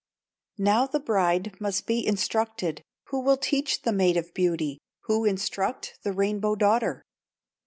Now the bride must be instructed, Who will teach the Maid of Beauty, Who instruct the Rainbow daughter?